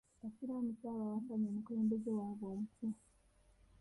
Basiraamu ki abawakanya omukulembeze waabwe omupya?